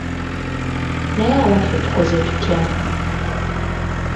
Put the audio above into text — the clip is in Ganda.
Naye abaffe tukoze tutya?